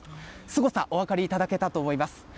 すごさ、お分かりいただけたと思います。